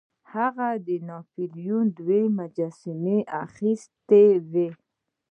هغه د ناپلیون دوه مجسمې اخیستې وې.